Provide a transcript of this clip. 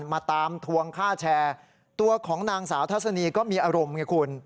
มาตามทวงค่าแชร์ตัวของนางสาวทัศนีก็มีอารมณ์ไงคุณ